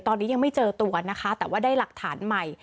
ตอนนี้ยังไม่เจอตัวนะคะแต่ว่าได้หลักฐานใหม่